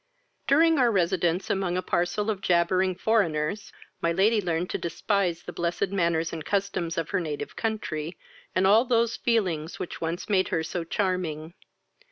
During our residence among a parcel of jabbering foreigners, my lady learned to despise the blessed manners and customs of her native country, and all those feelings which once made her so charming.